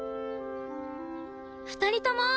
２人とも！